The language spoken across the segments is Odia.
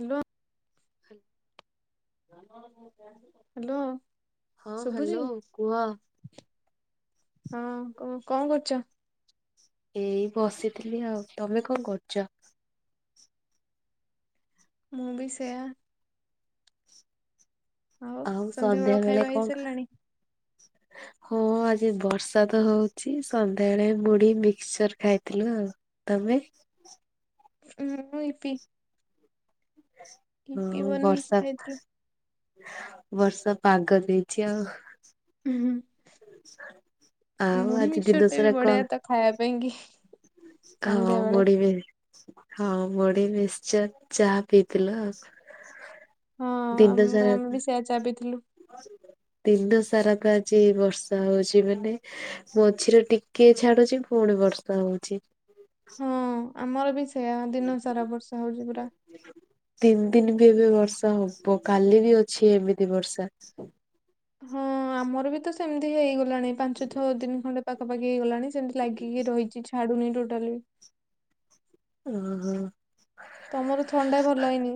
ହ୍ୟାଲୋ। [inaudible] ହ୍ୟାଲୋ। ହଁ ଶୁଭୁଛି ହ୍ୟାଲୋ କୁହ। ହଁ କ କଣ କରୁଛ? ଏଇ ବସିଥିଲି ଆଉ। ତମେ କଣ କରୁଛ? ମୁଁ ବି ସେୟା। ଆଉ ସନ୍ଧ୍ୟା ସନ୍ଧ୍ୟାବେଳ ବେଳେ ଖାଇବା ହେଇ କଣ ଖା ସାରିଲାଣି? ହଁ ଆଜି ବର୍ଷା ତ ହଉଛି ସନ୍ଧ୍ୟାବେଳେ ମୁଢ଼ି, ମିକ୍ସଚର ଖାଇଥିଲୁ ଆଉ। ତମେ। ହୁଁ ମୁଁ ଇପି ଇପି ହଁ ବନେଇକି ବର୍ଷା ଖାଇଥିଲୁ ବର୍ଷା ପାଗ ଦେଇଛି ଆଉ। ହୁଁ ଆଉ ମୁଢି, ଆଜି ଦିନ ମିକ୍ସଚର ଟା ବି ସାରା କଣ ବଢିଆ ତ ଖାଇବା ପାଇଁ କି। ହଁ ସନ୍ଧ୍ୟା ବେଳେ ବଢିବେ ହଁ ମୁଢ଼ି, ମିକ୍ସଚର ଚାହା ପିଇଥିଲୁ ଆଉ। ଦିନ ସାରା ଚାହା ପିଇଥିଲୁ। ଦିନ ସାରା ତ ଆଜି ବର୍ଷା ହଉଛି ମାନେ ମଝିରେ ଟିକେ ଛାଡୁଛି ପୁଣି ବର୍ଷା ହଉଛି। ହଁ ଆମର ବି ସେଇୟା ଦିନ ସାରା ବର୍ଷା ହଉଛି ପୁରା। ତିନି ଦିନ ବି ଏବେ ବର୍ଷା ହବ କାଲି ବି ଅଛି ଏମିତି ବର୍ଷା। ହଁ ଆମର ବି ତ ସେମିତି ହେଇଗଲାଣି ପାଞ୍ଚ ଛଅ ଦିନ ଖଣ୍ଡେ ପାଖାପାଖି ହେଇଗଲାଣି। ସେମିତି ଲାଗିକି ରହିଛି ଛାଡୁନି ଟୋଟାଲି। ଓହୋ। ତମର ଥଣ୍ଡା ଭଲ ହେଇନି।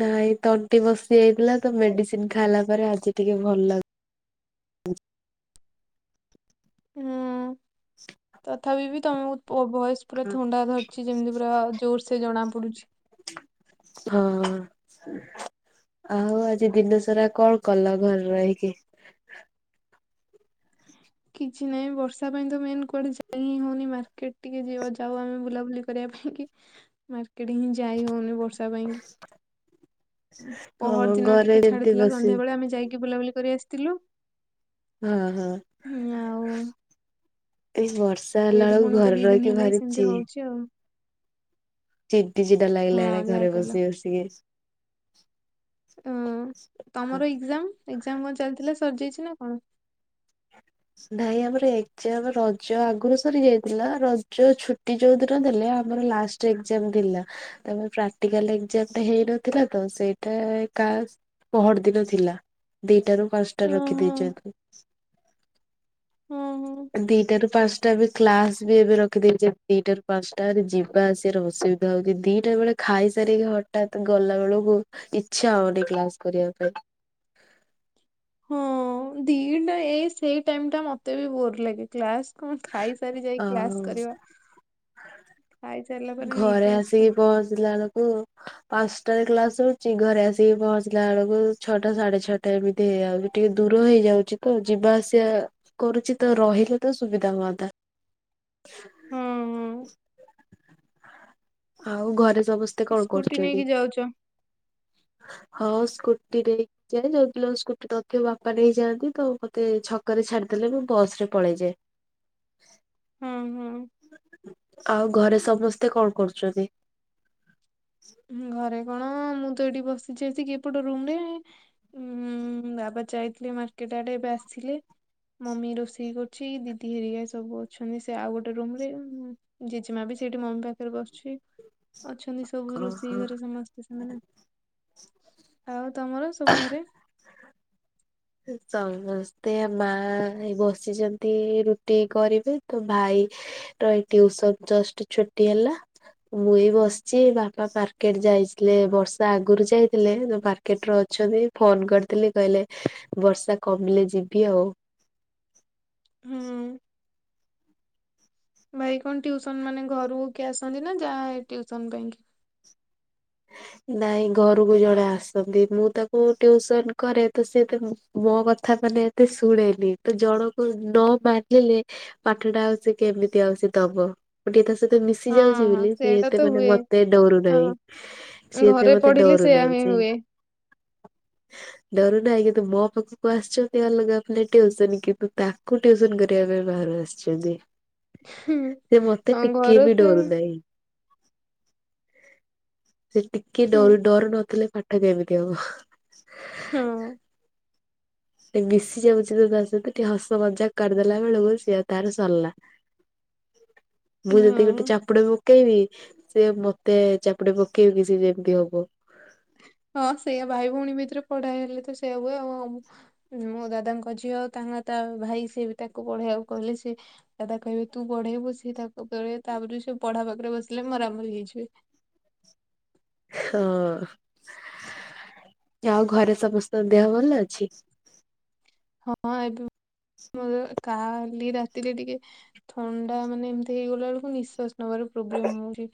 ନାହିଁ ତଣ୍ଟି ବସି ଯାଇଥିଲା ତ ମେଡିସିନ ଖାଇଲା ପରେ ଆଜି ଟିକେ ଭଲ ଲାଗୁ ହୁଁ ତଥାପି ବି ତମକୁ ପୋ ଭଏସ୍ ପୁରା ଥଣ୍ଡା ଧରିଛି ଯେମିତି ପୁରା ଜୋର ସେ ଜଣା ପଡୁଛି। ହଁ ହଁ। ଆଉ ଆଜି ଦିନ ସାରା କଣ କଲ ଘରେ ରହିକି? କିଛି ନାହିଁ ବର୍ଷା ପାଇଁ ତ ମେନ୍ କୁଆଡେ ଯାଇ ହିଁ ହଉନି ମାର୍କେଟ ଟିକେ ଯିବ ଯାଉ ଆମେ ବୁଲାବୁଲି କରିବା ପାଇଁ କି। ମାର୍କେଟ ଟିକେ ଯାଇ ହଉନି ବର୍ଷା ପାଇଁକି। ପହର ହଁ ଦିନ ଘରେ ଟିକେ ଏମିତି ଛାଡିଥିଲା ବସି ସନ୍ଧ୍ୟା ବେଳେ ଆମେ ଯାଇକି ବୁଲାବୁଲି କରି ଆସିଥିଲୁ। ଓହୋ। ହୁଁ ଆଉ। ଏଇ ବର୍ଷା ହେଲା ଏଇଠୁ ବେଳକୁ ପୁଣି ତ ଘରେ ଦି ରହିକି ଦିନ ହେଲାଣି ଭାରି ଚି ସେମିତି ହଉଛି ଆଉ। ଚିଡି ଚିଡା ଲାଗିଲାଣି ହଁ ଯାହା ଘରେ କହିଲ ବସି ବସିକି। ଅ ତମର ଏକ୍ଜାମ୍ ଏକ୍ଜାମ୍ କଣ ଚାଲିଥିଲା ସରିଯାଇଛି ନା କଣ? ନାହିଁ ଆମର ଏକ୍ଜାମ୍ ରଜ ଆଗରୁ ସରି ଯାଇଥିଲା ରଜ ଛୁଟି ଯୋଉ ଦିନ ଦେଲେ ଆମର ଲାଷ୍ଟ ଜି ଏକ୍ଜାମ ଥିଲା ତାପରେ ପ୍ରାଟିକାଲ୍ ଏକ୍ଜାମ ଟା ହେଇନଥିଲା ତ ସେଇଟା କା ପହର ଦିନ ଥିଲା ଦିଟା ରୁ ପାଞ୍ଚଟା ଓହୋ ରଖିଦେଇଛନ୍ତି। ଓହୋ। ଦିଟାରୁ ପାଞ୍ଚଟା ଏବେ କ୍ଲାସ ବି ଏବେ ରଖିଦେଇଛନ୍ତି ଦିଟାରୁ ପାଞ୍ଚଟା ଯିବା ଆସିବାର ଅସୁବି ବିଧା ହୋଉଛି ଦିଟା ବେଳେ ଖାଇ ସାରିକି ହଠାତ୍ ଗଲା ବେଳକୁ ଇଚ୍ଛା ହଉନି କ୍ଲାସ କରିବା ପାଇଁ। ହଁ ଦିଟା ଏ ସେଇ ଟାଇମ ଟା ମତେ ବି ବୋର ଲାଗେ କ୍ଲାସ। କଣ ଖାଇସାରି ଯାଇ କ୍ଲାସ୍ ଆଉ କରିବା ଖାଇସାରିଲା ପରେ ଘରେ ନିଦ ଆସିବ ଆସିକି ପହଞ୍ଚିଲା ବେଳକୁ ପାଞ୍ଚଟାରେ କ୍ଲାସ ସରୁଛି ଘରେ ଆସିକି ପହଞ୍ଚିଲା ବେଳକୁ ଛଅଟା ସାଢେ ଛଅଟା। ତ ଏମିତି ହେଇ ଯାଉଚି ଟିକେ ଦୂର ହେଇଯାଉଛି ତ ଯିବା ଆସିବା କରୁଛି ତ ରହିଲେ ତ ସୁବିଧା ହୁଅନ୍ତା। ହୁଁ ହୁଁ ଆଉ ଘରେ ସବୁ- ସ୍କୁଟି ନେଇକି ଯାଉଛ? ହଁ ସ୍କୁଟିରେ ହିଁ। [unintelligible] ସ୍କୁଟି ତ ଥିବ ବାପା ନେଇଯାଆନ୍ତି ତ ମୋତେ ଛକ ରେ ଛାଡିଦେଲେ ମୁଁ ବସରେ ପଳେଇଯାଏ। ହଁ ହୁଁ। ଆଉ ଘରେ ସମସ୍ତେ କଣ କରୁଛନ୍ତି? ଘରେ କଣ ମୁଁ ତ ଏଠି ବସିଛି ଆସିକି ଏ ପଟ ରୁମରେ। ଉଂ ବାବା ଯାଇଥିଲେ ମାର୍କେଟ ଆଡେ ଏବେ ଆସିଲେ। ମମି ରୋଷେଇ କରୁଛି ଦିଦି ହେରିକା ସବୁ ଅଛନ୍ତି ସେ ଆଉ ଗୋଟେ ରୁମରେ। ଜେଜେମା ବି ସେଇଠି ମମି ପାଖରେ ବସୁଛି ଅଛନ୍ତି ସବୁ ରୋ ଓହୋ ସମସ୍ତେ ସେମାନେ ଆଉ ତମର ସବୁ ଘରେ? ସମସ୍ତେ ମା ବସିଚନ୍ତି ରୁଟି କରିବେ ତ ଭାଇ ର ଏଇ ଟିୟୁସନ୍ ଜଷ୍ଟ ଛୁଟି ହେଲା। ମୁଇଁ ବସିଛି ବାପା ମାର୍କେଟ ଯାଇଥିଲେ ବର୍ଷା ଆଗୁରୁ ଯାଇଥିଲେ ମା ର୍କେଟରେ ଅଛନ୍ତି ଫୋନ କରିଥିଲି କହିଲେ ବର୍ଷା କମିଲେ ଯିବି ଆଉ। ହୁଁ। ଭାଇ କଣ ଟିୟୁସନ୍ ମାନେ ଘରକୁ କିଏ ଆସନ୍ତି ନା ଯା ହେ ଟିୟୁସନ୍ ପାଇଁ କି ନାଇଁ ଘରକୁ ଜଣେ ଆସନ୍ତି ମୁଁ ତାକୁ ଟ୍ୟୁସନ୍ କରେ ତ ସେ ତାକୁ ମୋ କଥା ମାନେ ଏତେ ଶୁଣେନି ତ ଜଣକୁ ନ ମାନିଲେ ପାଠଟା ଆଉ ସେ କେମିତି ଆଉ ଦବ [unintelligible] ସେ ତେ ମିଶି ଯାଉଚି ହଁ ହଁ ବୋଲି ସିଏ ସେଇଟା ଏତେ ତ ମାନେ ହୁଏ ମତେ ଡରୁ ନାହିଁ। ହଁ ସିଏ ଏତେ ଘରେ ମତେ ପଢିଲେ ସେୟା ଡରୁନାହିଁ ହିଁ ସେ [inaudible] ଡରୁନାହିଁ କିନ୍ତୁ ମୋ ପାଖକୁ ଆସିଛନ୍ତି ଅଲଗା ପିଲା ଟିଉସନ କିନ୍ତୁ ତା ତାକୁ ଟିୟୁସନ୍ କରିବା ପାଇଁ ବାହାରୁ ଆସିଛନ୍ତି। ହୁଁ ସେ ମତେ ହଁ ଟିକିଏ ଘର ବି ତ ଡରୁ ନାହିଁ। ସେ ଟିକେ ହୁଁ ଡରୁ ଡରୁ ନଥିଲେ ପାଠ କେମିତି ହବ। ହଁ। ସେ ମିଶି ଯାଉଛି ତ ତା ସହିତ ଟିକେ ହସ ମଜାକ କରିଦେଲା ବେଳକୁ ସିଏ ତାର ସଲା। [inaudible] ମୁଁ ଯଦି ଗୋଟେ ହଁ। ଚାପୁଡା ପକେଇବି ସେ ମତେ ଚାପୁଡା ପକେଇବ କି ସେ ଯେମିତି ହବ। ହଁ ସେଇଆ ଭାଇ ଭଉଣୀ ଭିତରେ ପଢା ହେଲେ ତ ସେଇଆ ହୁଏ ଆଉ। ମୋ ଦାଦାଙ୍କ ଝିଅ ତାଙ୍କ ତା ଭାଇ ସିଏ ବି ତାକୁ ପଢେଇବାକୁ କହିଲେ ସେ ଦାଦା କହିବେ ତୁ ପଢେଇବୁ ସେ ତା କ ତାପରେ ସେ ପଢା ପାଖରେ ବସିଲେ ମରାମରି ହେଇଯିବେ। ହଁ। ଆଉ ଘରେ ସମସ୍ତଙ୍କ ଦେହ ଭଲ ଅଛି? ହଁ ଏବେ ମୋର କାଲି ରାତିରେ ଟିକେ। ଥଣ୍ଡା ମାନେ ଏମିତି ହେଇଗଲା ବୁଳୁକୁ ନିଶ୍ବାସ ନବାର ପ୍ରୋବ୍ଲେମ ହଉଚି।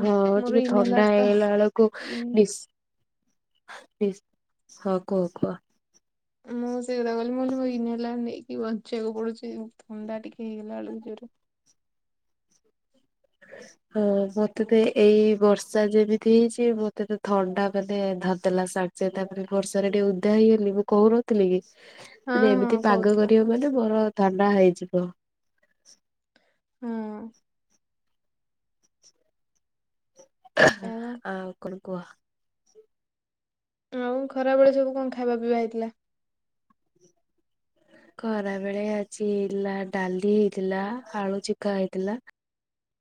ହଁ ଟିକେ ଇନହେଲାର ଥଣ୍ଡା ତ ହେଇଗଲା ବେଳକୁ ନିସ୍ ନିସ୍ ହଁ କୁହ କୁହ ମୁଁ ସେଇ କଥା କହିଲି ମୁଁ [unintelligible] ନେଇକି ବଞ୍ଚିବାକୁ ପଡୁଛି ଥଣ୍ଡା ଟିକେ ହେଇଗଲା ବେଳକୁ ଜୋରରେ ହ [inaudible] ହଁ ମତେ ତ ଏଇ ବର୍ଷା ଯେମିତି ହେଇଛି ମତେ ତ ଥଣ୍ଡା ମାନେ ଧରିଦେଲା ଶା ସେ ତାପରେ ବର୍ଷାରେ ଟିକେ ଓଦା ହେଇଗଲି ମୁଁ କହୁନଥିଲି କି। ହଁ ହଁ ଏମିତି ପାଗ କହୁଥିଲ କରିବ ମାନେ ମୋର ଥଣ୍ଡା ହେଇଯିବ। ହୁଁ। ସେୟା ପା ଆଉ କଣ କୁହ। ଆଉ ଖରାବେଳେ ସବୁ କଣ ଖାଇବା ପିଇବା ହେଇଥିଲା? ଖରାବେଳେ ଆଜି ହେଇଥିଲା ଡାଲି ହେଇଥିଲା, ଆଳୁ ଚିକା ହେଇଥିଲା। [inaudible]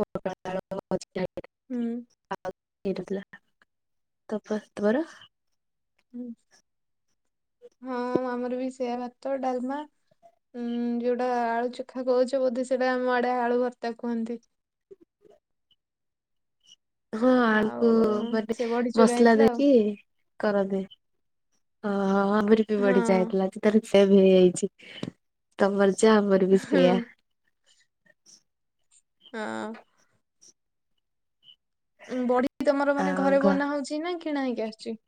ପୋଟଳ ଆଳୁ ଭଜା ହେଇଥିଲା। ହୁଁ। [unintelligible] ହୁଁ ହଁ ଆମର ବି ସେୟା ଭାତ, ଡାଲମା ହୁଁ, ଯୋଉଟା ଆଳୁ ଚୋଖା କହୁଚ ବୋଧେ ସେଇଟା ଆମ ଆଡେ ଆଳୁ ଭର୍ତ୍ତା କୁହନ୍ତି। ହଁ ଆଳୁକୁ ଆଉ ମାନେ ସେ ବଢି ଚୁରା ମସଲା ହେଇଥିଲା ଆଉ ଦେଇକି। କରନ୍ତି ଓ ଆମରି ବିଲ ହଁ ଵାଢି ଯାଇତି ତାର ସେମ ହେଇଯାଇଚି ତମର ଯାହା ଆମର ବି ହଁ ସେୟା। ହଁ। ଉଁ ବଡି ତମର ମାନେ ଆଉ ଘରେ ଘ ବନା ହୋଉଚି ନା କିଣା ହେଇକି ଆସଚି?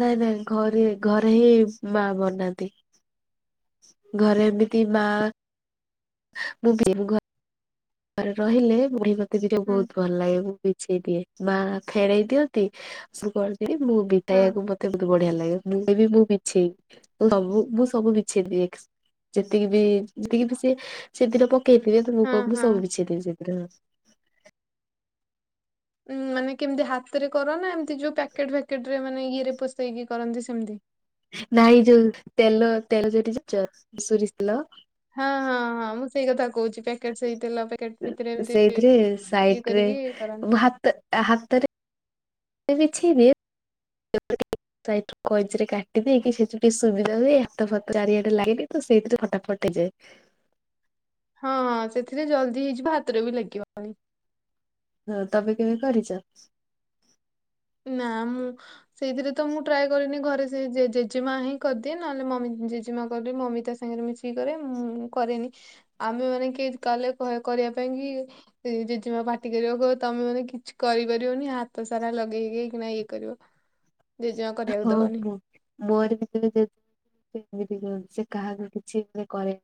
ନାଇଁ ନାଇଁ ଘରେ ଘରେ ହିଁ ମା ବନାନ୍ତି। ଘରେ ଏମିତି ମା ମୁଁ ବି ଘରେ ରହିଲେ ବଡି ମତେ ବି ହୁଁ ବହୁତ ଭଲ ଲାଗେ। ମୁଁ ବି ବିଛେଇଦିଏ, ମା ଫେନେଇ ଦିଅନ୍ତି ସବୁ କରିଦେଇ ମୁଁ ହଁ। ବିଦାୟା କୁ ମତ ତେ ବୋହୁତ ବଢିଆ ଲାଗେ ମୁଁ ବି ମୁଁ ବିଛେଇବି ସବୁ ମୁଁ ସବୁ ବିଛେଇଦିଏ। ଯେତିକି ବି ଯେତିକି ବି ସିଏ ସେଦିନ ପକେଇଥିବେ ତ ମୁଁ କଣ ହଁ କରିବି ନା ମୁଁ ହଁ। ସବୁ ବିଛେଇଦବି ସେଦିନ। ଉଁ ମାନେ କେମିତି ହାତରେ କର ନା ଏମିତି ଯୋଉ ପ୍ୟାକେଟ୍ ଫ୍ୟାକେଟ ରେ ମାନେ ଇଏରେ ପଷେଇକି କରନ୍ତି ସେମିତି? ନାଇଁ ଯୋଉ ତେଲ ତେଲ ଯଉଠି ଜାଣିଚ ସୋରିଷ ତେଲ? ହଁ ହଁ ହଁ ମୁଁ ସେଇ କଥା କଉଚି। ପ୍ୟାକେଟ ସେଇ ତେଲ ପ୍ୟାକେଟ ଭିତରେ ଏମତି ସେଇଥିରେ ଇଏ କରିକି କରନ୍ତି। ତା ହାତରେ ବିଛେଇଲେ [unintelligible] ସାଇଟରୁ କଇଞ୍ଚିରେ କାଟିଦେଇକି ସେ ଯୋଉଠି ସୁବିଧା ହୁଏ ହାତ ଫାତ ଚାରିଆଡେ ଲାଗେନି। ତ ସେଇଥିରେ ଫଟା ଫଟ ହେଇଯାଏ। ହଁଁ ସେଥିରେ ଜଲଦି ହେଇଯିବ ହାତରେ ବି ଲାଗିବନି। ହଁ ତମେ ବି କେବେ କରିଚ? ନାଁ ମୁଁ ସେଇଥିରେ ତ ମୁଁ ଟ୍ରାଏ କରିନି ଘରେ ସେ ଜେଜେ ଜେଜେମା ହିଁ କରଦିଏ ନହେଲେ ମମି ଜେଜେମା କଲେ ମମି ତା ସାଙ୍ଗରେ ମିଶି କି କରେ ମୁଁ କରେନି। ଆମେ ମାନେ କିଏ କଇଲେ କରିବା ପାଇଁ କି ଜେଜେମା ପାଟି କରିବ କଇବ ତମେ ମାନେ କିଛି କରିପାରିବନି ହାତ ସାରା ଲଗେଇ ଗେଇକିନା ଇଏ କରିବ। ଜେଜେମା କରିବାକୁ ହଁ ଦବନି। ହଁ ମୋର ବି ଜଣେ ଜେଜେ ସେ ଏମିତି କରନ୍ତି ସେ କାହାକୁ କିଛି ମାନେ କରେ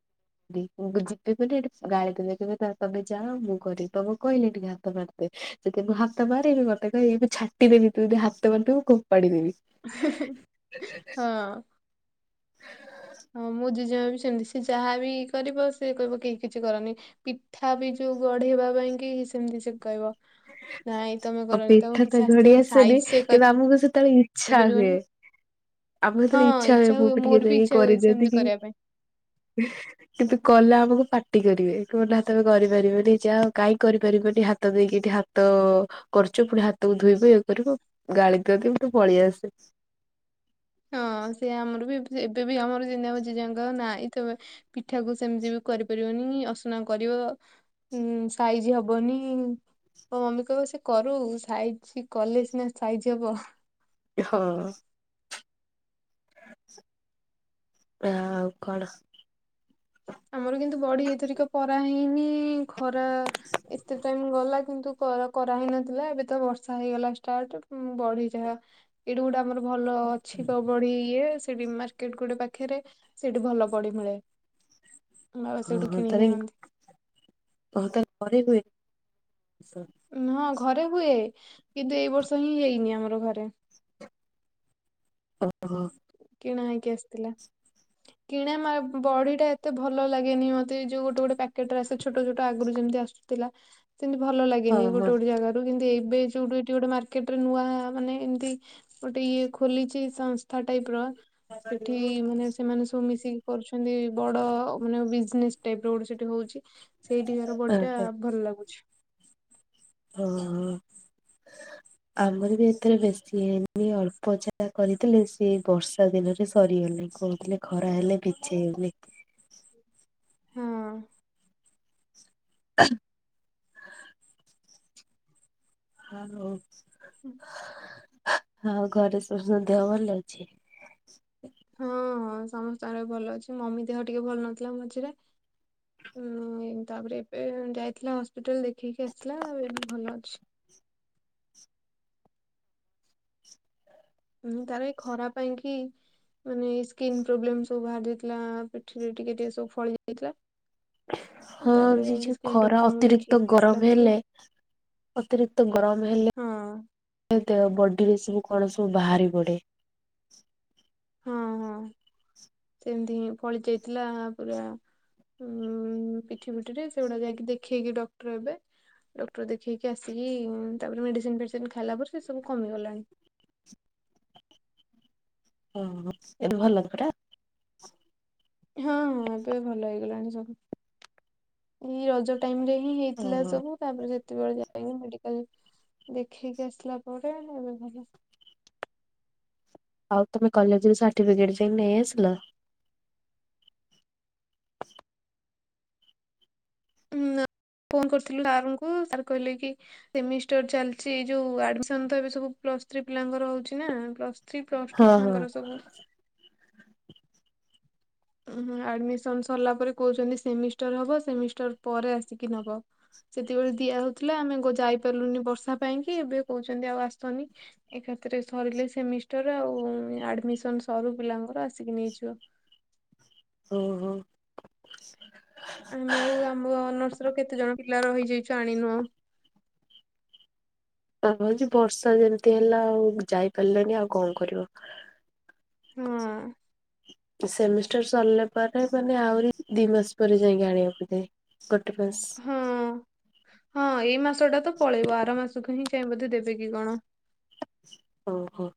ମୁଁ ଯିବି ମାନେ ସେଠି ଗାଳି କରିବେ କହିବେ ତମେ ଯାଅ ମୁଁ କରିବି ତମକୁ କହିଲି ଟିକେ ହାତ ମାରିଦେ। ଯଦି ମୁଁ ହାତ ମାରିବି ମତେ କହିବେ ମୁଁ ଛାଟିଦେବି ଯଦି ତୁ ହାତ ମାରିଥିବୁ ଫୋପାଡ଼ିଦେବି। ହେ ହେ ହଁ। ହଁ, ମୋ ଜେଜେମା ବି ସେମତି ସେ ଯାହା ବି କରିବ ସେ କହିବ କେହି କିଛି କରନି। ପିଠା ବି ଯୋଉ ଗଢ଼ିବା ପାଇଁ କି ସେମିତି ସେ କହିବ। ନାଇଁ ତମେ ଆଉ କରନି ତମକୁ ପିଠାତ କିଛି ଗଢ଼ି ଆସିବନି ଆସେନି ସାଇଜ ସେ କିନ୍ତୁ ଆମକୁ ସେତେବେଳେ ଇ ଚ୍ଛା ହୁଏ, କରିପାରିବନି। ଆମ ଯେତେବେଳେ ହଁ ଇଚ୍ଛା ହୁଏ ମୁଁ ବି ଟିକେ ମୋର ଦେହି ଇଚ୍ଛା ହୁଏ ସେମିତି କରିଦିଅନ୍ତି କି। କରିବା ପାଇଁ। [unintelligible] କିନ୍ତୁ କଲେ ଆମକୁ ପାଟି କରିବେ କହିବା ନା ତମେ କରିପାରିବନି ଯାଅ କାହିଁ କରିପାରିବନି। ହାତ ଦେଇକି ଏଠି ହାତ ତ କରଚୁ ପୁଣି ହାତକୁ ଧୋଇବୁ ଇଏ କରିବୁ ଗାଳିିଦିଅନ୍ତି ପଳେଇଆସେ। ହଁ ସେ ଆମର ବି ଏବେ ବି ଆମର ଜେଜେ ମାଁ କହିବ ନାହିଁ ତେମେ ପିଠାକୁ ସେମିତି ବି କରିପାରିବନି ଅସନା କରିବ। ହୁଁ ସାଇଜ୍ ହବନି। ମୋ ମମି କହିବ ସେ କରୁ ସାଇଜ୍ କଲେ ସିନା ସାଇଜ୍ ହବ। ହଁ। ଆ ଆଉ କଣ? ଆମର କିନ୍ତୁ ବଡ଼ି ଏଇଥରିକ ପରା ହେଇନି ଖରା ଏତେ ଟାଇମ୍ ଗଲା କିନ୍ତୁ କରା କରାହେଇନଥିଲା ଏବେ ତ ବର୍ଷା ହେଇଗଲା ଷ୍ଟାର୍ଟ ବଡ଼ି ଯାହା ଏଇଠୁ ଗୋଟେ ଆମର ଭଲ ଅଛି ତ ବଡ଼ି ଇଏ ସେଠି ମାର୍କେଟ ଗୋଟେ ପାଖରେ ସେଠି ଭଲ ବଡ଼ି ମିଳେ। ଆଉ ହଁ, ସେଇଠୁ ହଁ କିଣିକି ତାରେ ଆଣନ୍ତି ହଁ ତାରଲେ କରି ହୁଏ ହଁ ଘରେ ହୁଏ କିନ୍ତୁ ଏଇ ବର୍ଷ ହିଁ ହେଇନି ଆମର ଘରେ। ଓ ହୋ। କିଣା ହେଇକି ଆସିଥିଲା। କିଣା ମା ବଡି ଟା ଏତେ ଭଲ ଲାଗେନି ମୋତେ ଯୋଉ ଗୋଟେ ଗୋଟେ ପ୍ୟାକେଟ ରେ ଆସେ ଛୋଟ ଛୋଟ ଆଗରୁ ଯେମିତି ଆସୁ ଥିଲା ସେମିତି ଭଲ ହଁ ଲାଗେନି ଗୋଟେ ହଁ। ଗୋଟେ ଜାଗାରେ। କି ଏବେ ଯୋଉଠୁ ଏଠି ଗୋଟେ ମାର୍କେଟରେ ନୂଆ ମାନେ ଏମିତି ଗୋଟେ ଇଏ ଖୋଲିଛି ସା କ ଟାଇପ୍ ର ସେଠି ମାନେ ସେମାନେ ସବୁ ମିଶିକି କରୁଛନ୍ତି ବଡ ମାନେ ବିଜିନେସ ଟାଇପ୍ ର ଗୋଟେ ସେଠି ହଉଛି। ସେଇଠିକାର ବଡ଼ିଟା ଭଲ ଲାଗୁଛି। ହଁ, ହଁ। [inaudible] ଆମର ବି ଏଥିର ବେଶୀ ହେଇନି ଅଳ୍ପ ଯାହା କରିଥିଲେ ସେ ବର୍ଷା ଦିନରେ ସରିଗଲେଣି କଣ ମାନେ ଖରା ହେଲେ ବିଛେଇ ହଉନି। ହଁ। [unintelligible] ହଁ ହଉ। ହୁଁ। ହଁ, ଆଉ ଘରେ ସବୁ ସମସ୍ତଙ୍କ ଦେହ ଭଲ ଅଛି? ହଁ, ହଁ ସମସ୍ତଙ୍କର ଭଲ ଅଛି ମମି ଦେହ ଟିକେ ଭଲ ନଥିଲା ମଝିରେ। ଉଁ ତାପରେ ଏବେ ଯାଇଥିଲା ହସ୍ପିଟାଲ ଦେଖେଇକି ଆସିଥିଲା ଏବେ ଭଲ ଅଛି। ଉଁ ତାର ଏଇ ଖରା ପାଇଁ କି ମାନେ ସ୍କିନ୍ ପ୍ରୋବ୍ଲେମ୍ ସବୁ ବାହାରି ଯାଇଥିଲା ପିଠିରେ ଟିକେ ଟିକେ ସବୁ ଫଳି ଯାଇଥିଲା ହଁ ତାପରେ ଯାଇକି ଛି ସ୍କିନ୍ ଖରା ଡକ୍ଟରଙ୍କୁ ଅତିରିକ୍ତ ଦେଖେଇକି ଆସିଲା ଗରମ ପରେ ହେଲେ ଅତିରିକ୍ତ ଗରମ ହଁ ହେଲେ ଦେ ବଡିରେ ସବୁ କଣ ସବୁ ବାହାରି ପଡ଼େ। ହଁ, ହଁ ସେମିତି ହିଁ ଫଳି ଯାଇଥିଲା ପୁରା ଉଁ ପିଠି ପିଠିରେ ସେଗୁଡା ଯାଇକି ଦେଖେଇକି ଡକ୍ଟର ଏବେ ଡକ୍ଟର ଦେଖେଇକି ଆସିକି ତାପରେ ମେଡ଼ିସିନ ଫେଡ଼ିସିନ ଖାଇଲା ପରେ ସେ ସବୁ କମିଗଲାଣି। ଓ ହୋ ଏବେ ଭଲ ପୂରା? ହଁ, ହଁ ଏବେ ଭଲ ହେଇଗଲାଣି ସବୁ। ଏଇ ରଜ ଟାଇମ୍ ରେ ହିଁ ହେଇଥିଲା ହଁ ସବୁ। ତାପରେ ସେତେବେଳେ ଯାଇକି ମେଡିକାଲ ଦେଖେଇକି ଆସିଲା ପରେ ଏବେ ଭଲ। ଆଉ ତମେ କଲେଜରେ ସାର୍ଟିଫିକେଟ ଯାଇ ନେଇ ଆସିଲ? ଉଁ ନା ଫୋନ କରିଥିଲୁ ସାରଙ୍କୁ ସାର୍ କହିଲେ କି ସେମିଷ୍ଟର ଚାଲିଛି ଯୋଉ ଆଡମିସନ ତ ଏବେ ସବୁ ପ୍ଲସ ଥ୍ରୀ ପିଲାଙ୍କର ହଉଛି ନା ପ୍ଲ ସ ଥ୍ରୀ ପ୍ଲସ୍ ହଁ ଟୁ ହଁ। ଛୁଆଙ୍କର ସବୁ। ଆଡମିସନ ସରିଲା ପରେ କହୁଛନ୍ତି ସେମିଷ୍ଟର ହବ ସେମିଷ୍ଟର ପରେ ଆସିକି ନେବ। ସେତିକିବେଳେ ଦିଆହଉଥିଲା ଆମେ ଯାଇ ପାରିଲୁନି ବର୍ଷା ପାଇଁ କି ଏବେ କହୁଛନ୍ତି ଆଉ ଆସନି ଏକାତିରେ ସରିଲେ ସେମିଷ୍ଟର ଆଉ ଆଡ଼ମିସନ୍ ସରୁ ପିଲାଙ୍କର ଆସିକି ନେଇଯିବ। ଓହୋ [inaudible] ଆମେ ଆଉ ଆମ ନର୍ସର ର କେତେ ଜଣ ପିଲା ରହିଯାଇଛୁ ଆଣିନୁ ଆଉ ହଉଛି ବର୍ଷା ଯେମିତି ହେଲା ଆଉ ଯାଇପାରିଲଣିି ଆଉ କଣ କରିବ। ହଁ ସେମିଷ୍ଟର ସରିଲା ପରେ ମାନେ ଆହୁରି ଦି ମାସ ପରେ ଯାଇକି ଆଣିବାକୁ ଯାଏ ଗୋଟେ ମାସ ହଁ ହଁ ଏଇ ମାସଟା ତ ପଳେଇବ ଆର ମାସକୁ ହିଁ ଯାଇ ବୋଧେ ଦେବେ କିି କଣ ଓହୋ